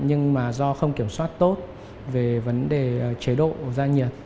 nhưng mà do không kiểm soát tốt về vấn đề chế độ ra nhiệt